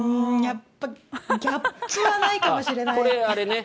ギャップはないかもしれない。